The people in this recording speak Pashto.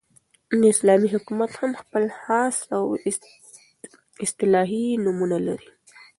، نو اسلامي حكومت هم خپل خاص او اصطلاحي نومونه لري